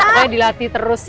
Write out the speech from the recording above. pokoknya dilatih terus ya